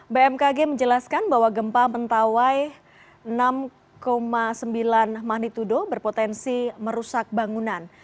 bmkg menjelaskan bahwa gempa mentawai enam sembilan magnitudo berpotensi merusak bangunan